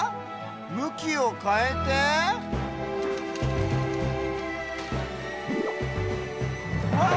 むきをかえてわっ！